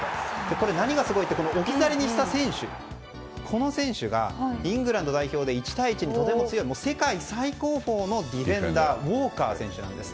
これ、何がすごいって置き去りにした、この選手がイングランド代表で１対１にとても強く世界最高峰のディフェンダーウォーカー選手なんです。